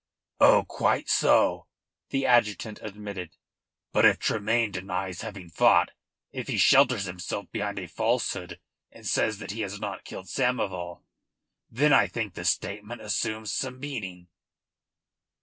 "Oh, quite so," the adjutant, admitted. "But if Tremayne denies having fought, if he shelters himself behind a falsehood, and says that he has not killed Samoval, then I think the statement assumes some meaning."